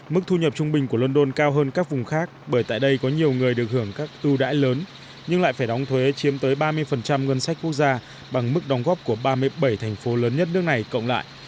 mức thu nhập trung bình của london cao hơn các vùng khác bởi tại đây có nhiều người được hưởng các ưu đãi lớn nhưng lại phải đóng thuế chiếm tới ba mươi ngân sách quốc gia bằng mức đóng góp của ba mươi bảy thành phố lớn nhất nước này cộng lại